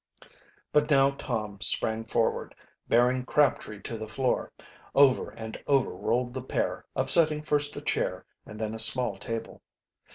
But now Tom sprang forward, bearing Crabtree to the floor. Over and over rolled the pair, upsetting first a chair and then a small table.